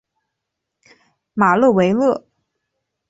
马勒维勒。